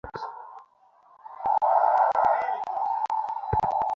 আমি কোনো স্টেশন চিনতে পারছি না।